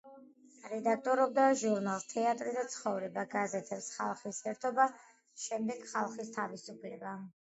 რედაქტორობდა ჟურნალს „თეატრი და ცხოვრება“, გაზეთებს „ხალხის ერთობა“, შემდეგ „ხალხის თავისუფლება“.